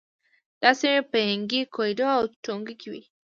دا سیمې په ینګی، کویدو او ټونګو کې وې.